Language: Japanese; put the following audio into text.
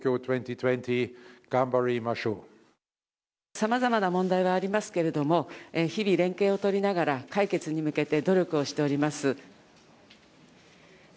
さまざまな問題はありますけども、日々連携を取りながら、解決に向けて努力をしております。